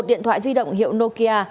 một điện thoại di động hiệu nokia